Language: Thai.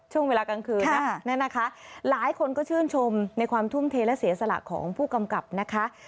ช่วงเวลากลางคืนนะนะคะหลายคนก็ชื่นชมในความทุ่มเทและเสียสละของผู้กำกับนะคะ